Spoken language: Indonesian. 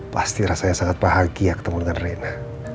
pasti rasanya sangat bahagia ketemu dengan reina